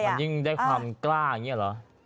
เห็นผู้หญิงได้ความกล้าอย่างนี้หรอ